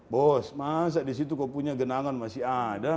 bos masa di situ kok punya genangan masih ada